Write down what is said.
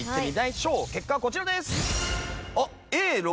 結果はこちらです。